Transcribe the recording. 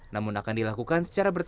namun akan dilakukan secara bertahap